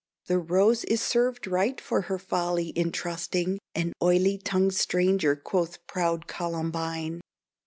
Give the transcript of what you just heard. "The Rose is served right for her folly in trusting An oily tongued stranger," quoth proud Columbine.